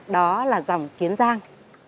đó là dòng kiến giang